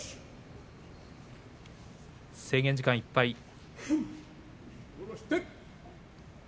制限時間いっぱい。